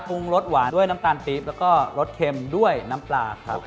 ปรุงรสหวานด้วยน้ำตาลปี๊บแล้วก็รสเค็มด้วยน้ำปลาครับ